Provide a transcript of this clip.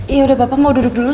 yaudah bapak mau duduk dulu